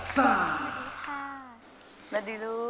สวัสดีลูก